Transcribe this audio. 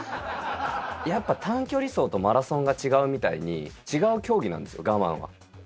やっぱ短距離走とマラソンが違うみたいに、違う競技なんですよ、我慢は。